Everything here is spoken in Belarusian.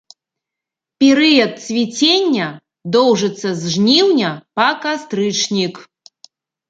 Перыяд цвіцення доўжыцца з жніўня па кастрычнік.